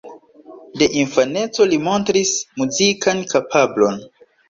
De infaneco li montris muzikan kapablon.